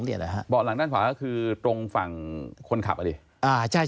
เบาะหลังด้านขวาคือตรงส้มศมศพแหละเนี้ย